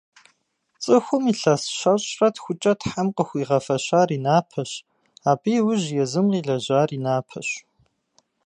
Цӏыхум илъэс щэщӏрэ тхукӏэ Тхьэм къыхуигъэфэщар и напэщ, абы иужь езым къилэжьар и напэщ.